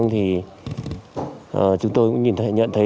thì chúng tôi nhận thấy